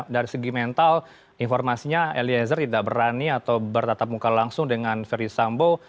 dari segi mental informasinya eliezer tidak berani atau bertatap muka langsung dengan ferry sambo